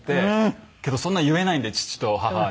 けどそんなの言えないんで父と母には。